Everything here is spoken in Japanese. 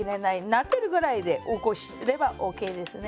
なでるぐらいで起こせばＯＫですね。